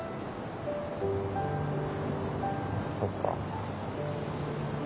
そっか。